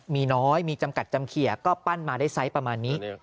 มีน้อยมีจำกัดจำเขียก็ปั้นมาได้ไซส์ประมาณนี้